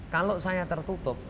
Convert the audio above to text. kalau saya tertutup